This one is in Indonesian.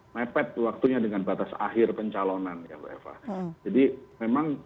mepet waktunya dengan batas akhir pencalonan ya jadi memang